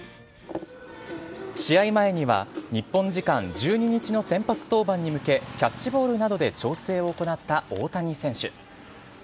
試合前には、日本時間１２日の先発登板に向け、キャッチボールなどで調整を行った大谷選手。